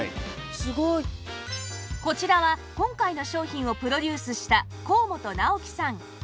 こちらは今回の商品をプロデュースした高本尚紀さん